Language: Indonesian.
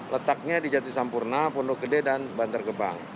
letaknya di jatisampurna pondok gede dan banter gebang